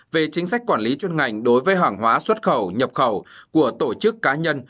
về chính sách quản lý chuyên ngành đối với hàng hóa xuất khẩu nhập khẩu của tổ chức cá nhân